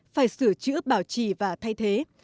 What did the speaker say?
phải sửa chữa bảo trì và thay thế